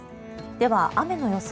では、雨の予想